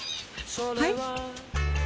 はい？